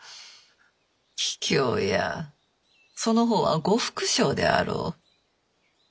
桔梗屋その方は呉服商であろう。